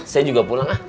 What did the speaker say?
saya juga pulang lah